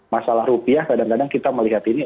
masalah rupiah kadang kadang kita melihat ini